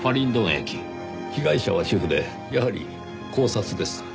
被害者は主婦でやはり絞殺です。